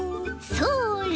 それ！